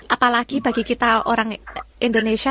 apalagi bagi kita orang indonesia